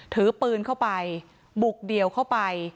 ถือปืนเข้าไปบุกเดี่ยวเข้าไป